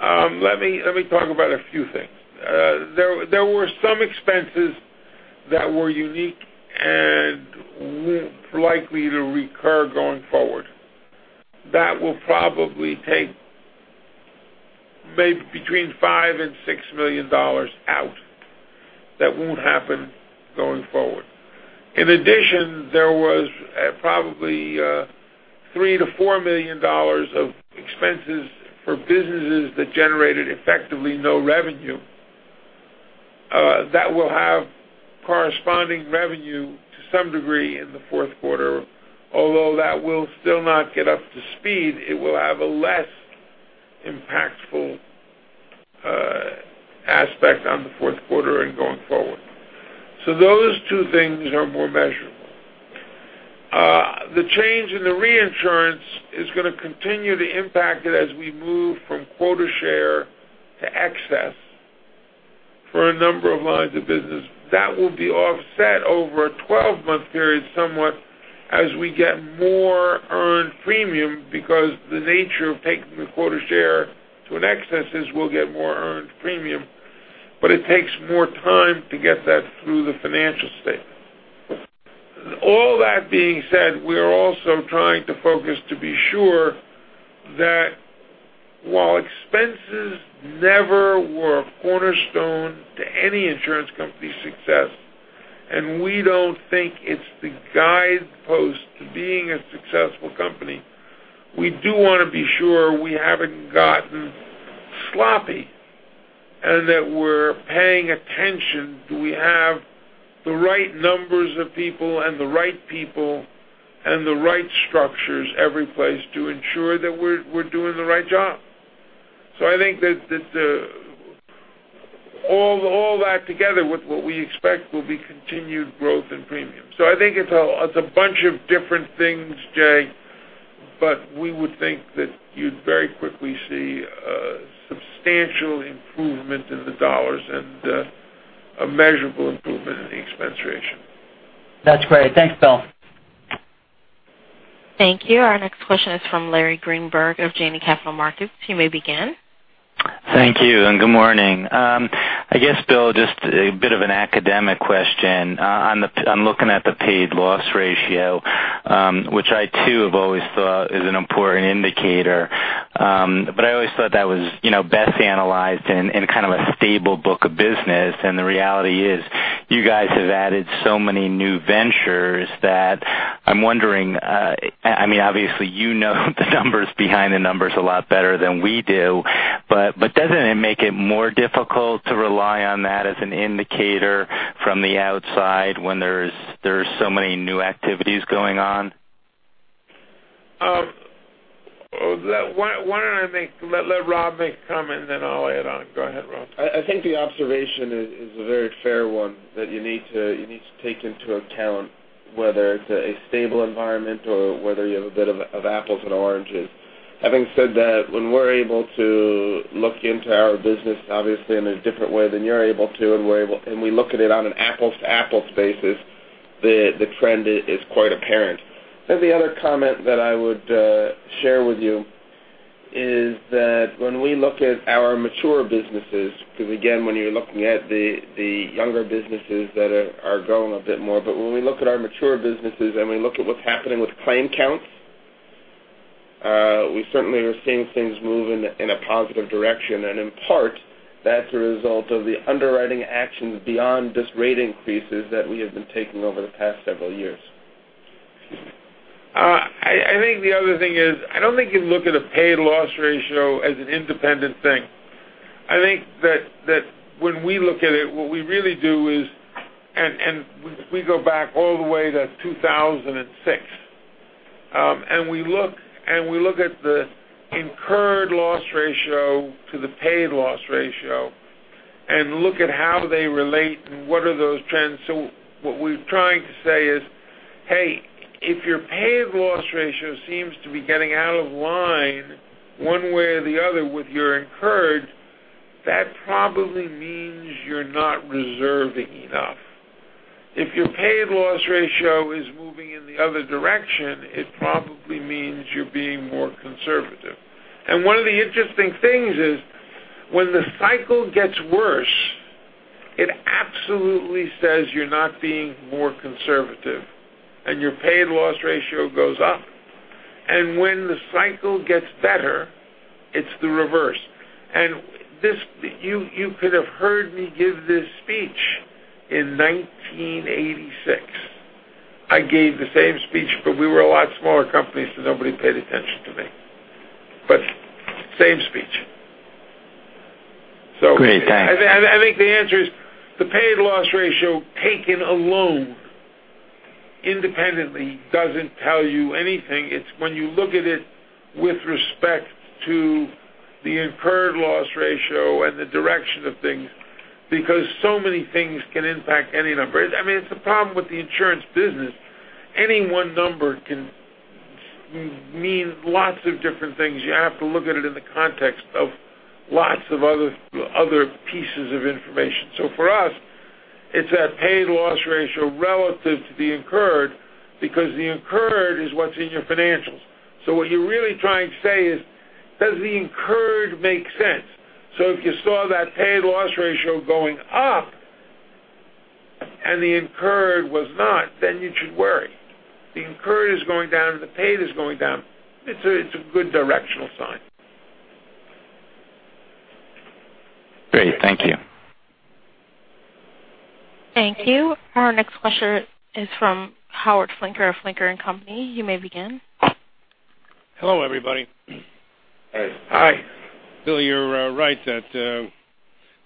Let me talk about a few things. There were some expenses that were unique and likely to recur going forward. That will probably take between $5 million and $6 million out. That won't happen going forward. In addition, there was probably $3 million-$4 million of expenses for businesses that generated effectively no revenue. That will have corresponding revenue to some degree in the fourth quarter, although that will still not get up to speed, it will have a less impactful aspect on the fourth quarter and going forward. Those two things are more measurable. The change in the reinsurance is going to continue to impact it as we move from quota share to excess for a number of lines of business. That will be offset over a 12-month period somewhat as we get more earned premium, because the nature of taking the quota share to an excess is we'll get more earned premium, but it takes more time to get that through the financial statement. All that being said, we're also trying to focus to be sure that while expenses never were a cornerstone to any insurance company's success, and we don't think it's the guidepost to being a successful company, we do want to be sure we haven't gotten sloppy and that we're paying attention. Do we have the right numbers of people and the right people and the right structures every place to ensure that we're doing the right job? I think that all that together with what we expect will be continued growth in premium. I think it's a bunch of different things, Jay, but we would think that you'd very quickly see a substantial improvement in the U.S. dollars and a measurable improvement in the expense ratio. That's great. Thanks, Bill. Thank you. Our next question is from Larry Greenberg of Janney Capital Markets. You may begin. Thank you. Good morning. I guess Bill, just a bit of an academic question. I'm looking at the paid loss ratio, which I too have always thought is an important indicator. I always thought that was best analyzed in kind of a stable book of business. The reality is you guys have added so many new ventures that I'm wondering, obviously you know the numbers behind the numbers a lot better than we do, doesn't it make it more difficult to rely on that as an indicator from the outside when there's so many new activities going on? Why don't I let Rob make a comment. I'll add on. Go ahead, Rob. I think the observation is a very fair one, that you need to take into account whether it's a stable environment or whether you have a bit of apples and oranges. Having said that, when we're able to look into our business, obviously, in a different way than you're able to, we look at it on an apples-to-apples basis. The trend is quite apparent. The other comment that I would share with you is that when we look at our mature businesses, because again, when you're looking at the younger businesses that are growing a bit more, when we look at our mature businesses and we look at what's happening with claim counts, we certainly are seeing things move in a positive direction. In part, that's a result of the underwriting actions beyond just rate increases that we have been taking over the past several years. I think the other thing is, I don't think you can look at a paid loss ratio as an independent thing. I think that when we look at it, what we really do is, and we go back all the way to 2006, and we look at the incurred loss ratio to the paid loss ratio and look at how they relate and what are those trends. What we're trying to say is, hey, if your paid loss ratio seems to be getting out of line one way or the other with your incurred, that probably means you're not reserving enough. If your paid loss ratio is moving in the other direction, it probably means you're being more conservative. One of the interesting things is when the cycle gets worse, it absolutely says you're not being more conservative, and your paid loss ratio goes up. When the cycle gets better, it's the reverse. You could have heard me give this speech in 1986. I gave the same speech, but we were a lot smaller company, so nobody paid attention to me. Same speech. Great, thanks. I think the answer is the paid loss ratio taken alone independently doesn't tell you anything. It's when you look at it with respect to the incurred loss ratio and the direction of things, because so many things can impact any number. It's a problem with the insurance business. Any one number can mean lots of different things. You have to look at it in the context of lots of other pieces of information. For us, it's that paid loss ratio relative to the incurred, because the incurred is what's in your financials. What you're really trying to say is, does the incurred make sense? If you saw that paid loss ratio going up, and the incurred was not, then you should worry. The incurred is going down, and the paid is going down. It's a good directional sign. Great. Thank you. Thank you. Our next question is from Howard Flinker of Flinker & Company. You may begin. Hello, everybody. Hey. Hi. Bill, you're right that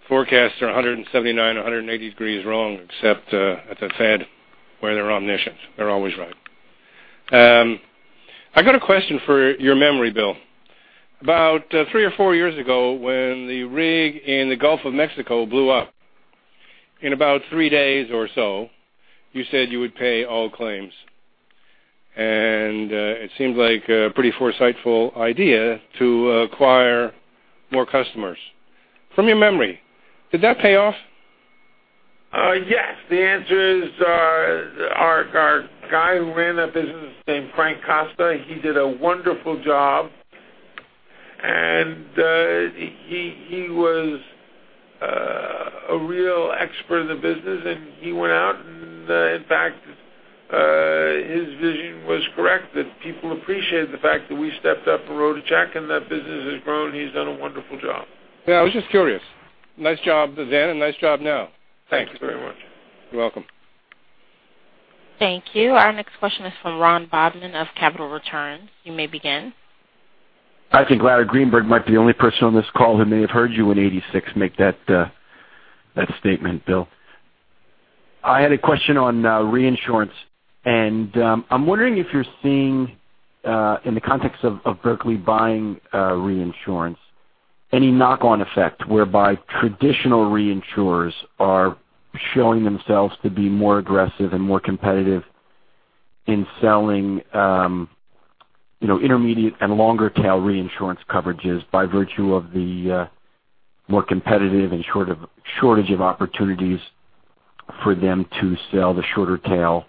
forecasts are 179, 180 degrees wrong, except at the Fed, where they're omniscient. They're always right. I've got a question for your memory, Bill. About three or four years ago, when the rig in the Gulf of Mexico blew up, in about three days or so, you said you would pay all claims. It seemed like a pretty foresightful idea to acquire more customers. From your memory, did that pay off? Yes. The answer is our guy who ran that business, his name Frank Costa, he did a wonderful job. He was a real expert in the business, and he went out, and in fact, his vision was correct, that people appreciated the fact that we stepped up and wrote a check, and that business has grown. He's done a wonderful job. I was just curious. Nice job then, nice job now. Thanks very much. You're welcome. Thank you. Our next question is from Ron Bobman of Capital Returns. You may begin. I think Larry Greenberg might be the only person on this call who may have heard you in 1986 make that statement, Bill. I had a question on reinsurance. I'm wondering if you're seeing, in the context of Berkley buying reinsurance, any knock-on effect whereby traditional reinsurers are showing themselves to be more aggressive and more competitive in selling intermediate and longer tail reinsurance coverages by virtue of the more competitive and shortage of opportunities for them to sell the shorter tail,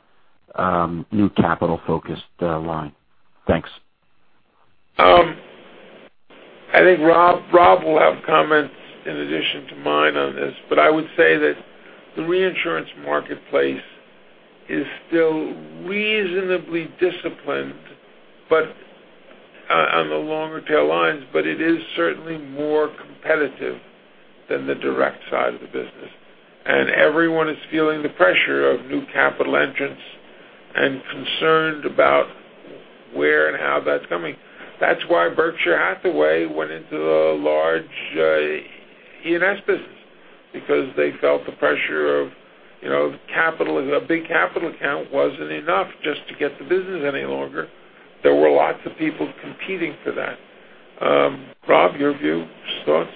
new capital-focused line. Thanks. I think Rob will have comments in addition to mine on this. I would say that the reinsurance marketplace is still reasonably disciplined on the longer tail lines, but it is certainly more competitive than the direct side of the business. Everyone is feeling the pressure of new capital entrants and concerned about where and how that's coming. That's why Berkshire Hathaway went into the large E&S business because they felt the pressure of capital. A big capital count wasn't enough just to get the business any longer. There were lots of people competing for that. Rob, your view, thoughts?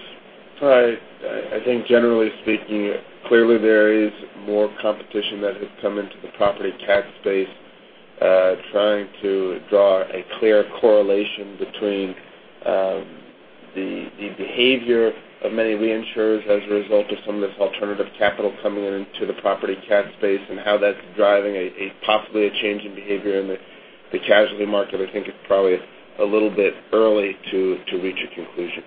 I think generally speaking, clearly there is more competition that has come into the property catastrophe space. Trying to draw a clear correlation between the behavior of many reinsurers as a result of some of this alternative capital coming into the property catastrophe space and how that's driving possibly a change in behavior in the casualty market, I think it's probably a little bit early to reach a conclusion.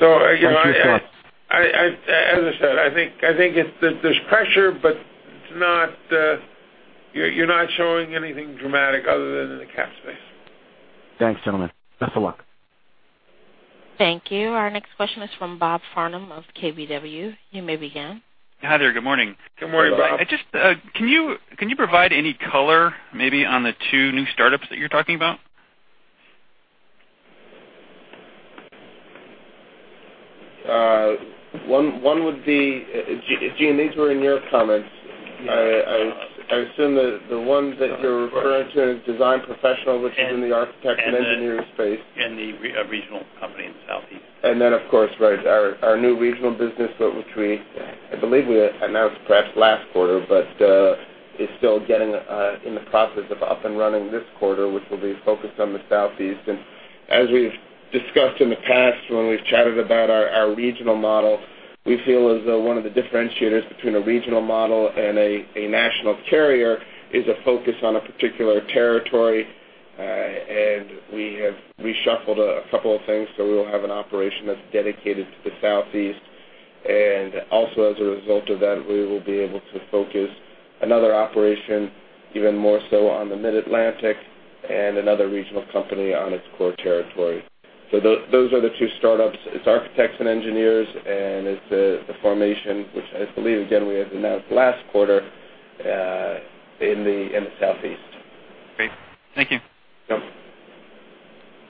So again- Mike, two shots. As I said, I think there's pressure, but you're not showing anything dramatic other than in the cat space. Thanks, gentlemen. Best of luck. Thank you. Our next question is from Robert Farnam of KBW. You may begin. Hi there. Good morning. Good morning, Bob. Hello. Can you provide any color maybe on the two new startups that you're talking about? Gene, these were in your comments. Yes. I assume that the ones that you're referring to is Design Professional, which is in the architect and engineer space. The regional company in the Southeast. Then, of course, right, our new regional business, which we, I believe we announced perhaps last quarter, but is still in the process of up and running this quarter, which will be focused on the Southeast. As we've discussed in the past when we've chatted about our regional model, we feel as though one of the differentiators between a regional model and a national carrier is a focus on a particular territory. We have reshuffled a couple of things, so we'll have an operation that's dedicated to the Southeast. Also, as a result of that, we will be able to focus another operation even more so on the Mid-Atlantic and another regional company on its core territory. Those are the two startups. It's Architects and Engineers, it's the formation, which I believe, again, we had announced last quarter, in the Southeast. Great. Thank you. Yep.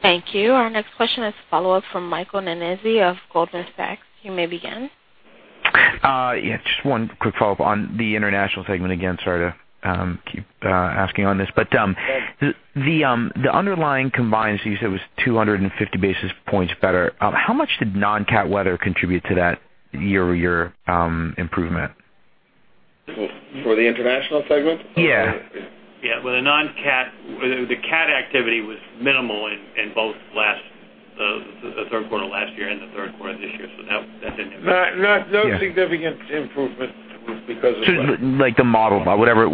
Thank you. Our next question is a follow-up from Michael Nannizzi of Goldman Sachs. You may begin. Yes, just one quick follow-up on the international segment. Again, sorry to keep asking on this, the underlying combines, you said, was 250 basis points better. How much did non-cat weather contribute to that year-over-year improvement? For the international segment? Yeah. Yeah. The cat activity was minimal in both third quarter last year and the third quarter of this year, that didn't- No significant improvement was because of that. Like the model, whatever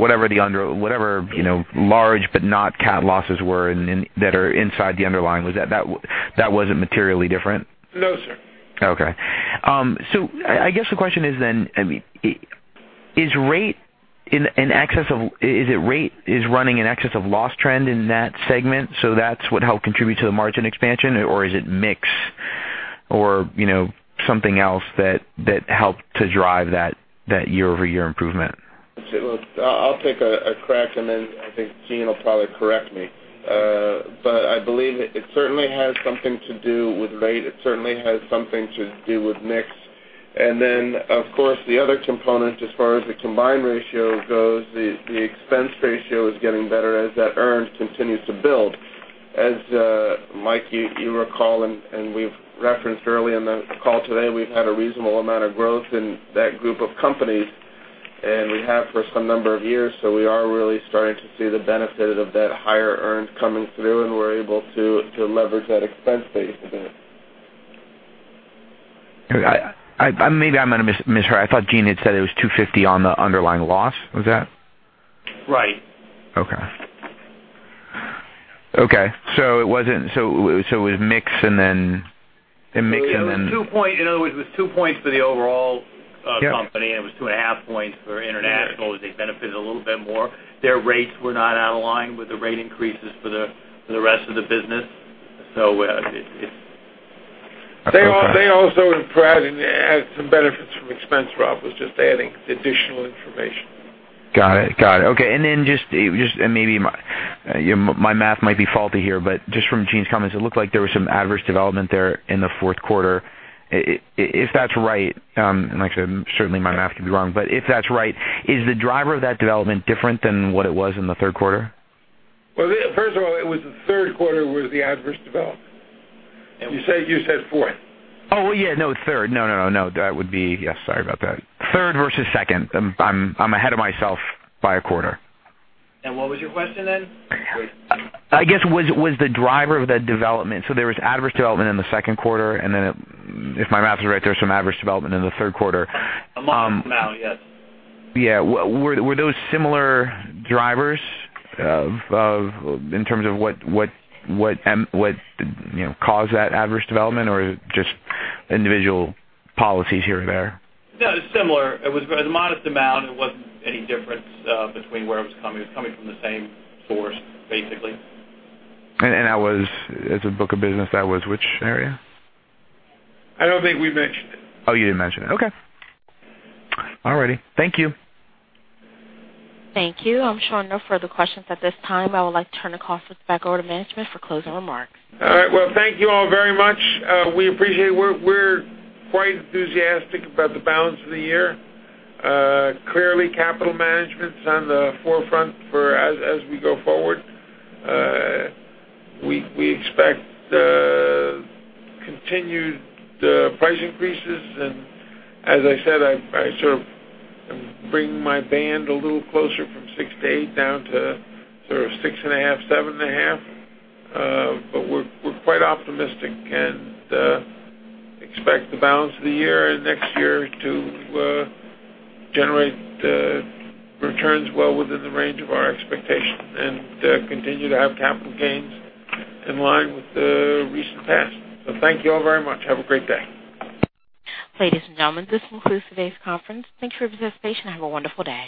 large but not cat losses were that are inside the underlying, that wasn't materially different? No, sir. Okay. I guess the question is then, is rate is running in excess of loss trend in that segment, so that's what helped contribute to the margin expansion? Is it mix or something else that helped to drive that year-over-year improvement? I'll take a crack, and then I think Gene will probably correct me. I believe it certainly has something to do with rate. It certainly has something to do with mix. Then, of course, the other component as far as the combined ratio goes, the expense ratio is getting better as that earn continues to build. As, Mike, you recall, and we've referenced early in the call today, we've had a reasonable amount of growth in that group of companies, and we have for some number of years. We are really starting to see the benefit of that higher earned coming through, and we're able to leverage that expense base a bit. I'm going to mishear. I thought Gene had said it was 250 on the underlying loss. Was that? Right. Okay. It was mix and then. In other words, it was two points for the overall company, and it was two and a half points for international as they benefited a little bit more. Their rates were not out of line with the rate increases for the rest of the business. They also had some benefits from expense, Rob. Rob was just adding additional information. Got it. Okay. Maybe my math might be faulty here, just from Gene's comments, it looked like there was some adverse development there in the fourth quarter. If that's right, and like I said, certainly my math could be wrong, but if that's right, is the driver of that development different than what it was in the third quarter? Well, first of all, it was the third quarter was the adverse development. You said fourth. Oh, yeah. No, third. No. Yes, sorry about that. Third versus second. I'm ahead of myself by a quarter. What was your question then? I guess, was the driver of the development, so there was adverse development in the second quarter, and then, if my math is right, there was some adverse development in the third quarter. A modest amount, yes. Yeah. Were those similar drivers in terms of what caused that adverse development or just individual policies here and there? No, similar. It was a modest amount. It wasn't any difference between where it was coming. It was coming from the same source, basically. As a book of business, that was which area? I don't think we mentioned it. Oh, you didn't mention it. Okay. All righty. Thank you. Thank you. I'm showing no further questions at this time. I would like to turn the call back over to management for closing remarks. All right. Well, thank you all very much. We appreciate it. We're quite enthusiastic about the balance of the year. Clearly, capital management's on the forefront as we go forward. We expect continued price increases, as I said, I sort of am bringing my band a little closer from 6 to 8 down to sort of 6.5, 7.5. We're quite optimistic and expect the balance of the year and next year to generate returns well within the range of our expectations and continue to have capital gains in line with the recent past. Thank you all very much. Have a great day. Ladies and gentlemen, this concludes today's conference. Thank you for your participation and have a wonderful day.